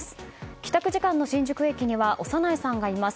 帰宅時間の新宿駅には小山内さんがいます。